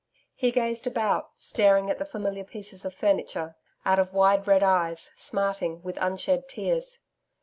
He gazed about, staring at the familiar pieces of furniture, out of wide red eyes, smarting with unshed tears.